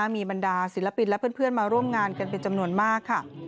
มีบรรดาศิลปินและเพื่อนมาร่วมงานกันเป็นจำนวนมากค่ะ